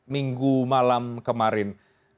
minggu malam kemarin